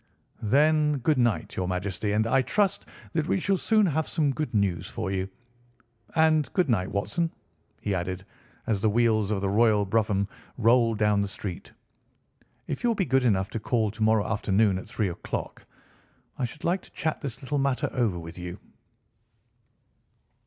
"Then, good night, your Majesty, and I trust that we shall soon have some good news for you. And good night, Watson," he added, as the wheels of the royal brougham rolled down the street. "If you will be good enough to call to morrow afternoon at three o'clock I should like to chat this little matter over with you."